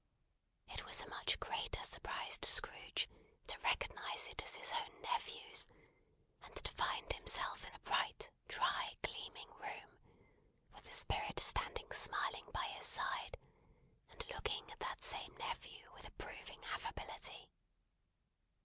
It was a much greater surprise to Scrooge to recognise it as his own nephew's and to find himself in a bright, dry, gleaming room, with the Spirit standing smiling by his side, and looking at that same nephew with approving affability!